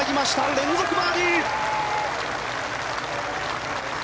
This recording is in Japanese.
連続バーディー。